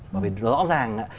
bởi vì rõ ràng